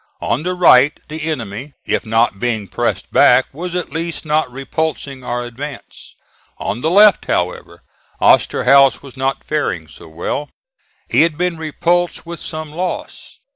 On the right the enemy, if not being pressed back, was at least not repulsing our advance. On the left, however, Osterhaus was not faring so well. He had been repulsed with some loss.